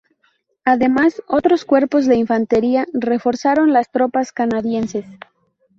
Además, otros cuerpos de infantería reforzaron las tropas canadienses.